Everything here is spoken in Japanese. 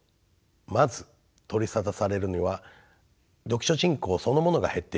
まず取り沙汰されるのは読書人口そのものが減っているということです。